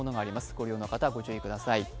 ご利用の方、ご注意ください。